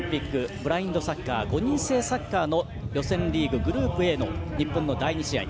ブラインドサッカー５人制サッカーの予選リーググループＡの日本の第２試合。